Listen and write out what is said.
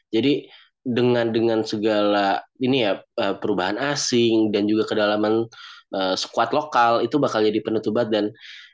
jadi dengan segala perubahan asing dan juga kedalaman squad lokal itu bakal jadi penutup badan